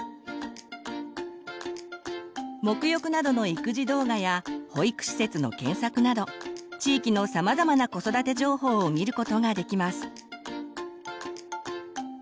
もく浴などの育児動画や保育施設の検索など地域のさまざまな子育て情報を見ることができます。